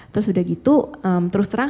terus udah gitu terus terang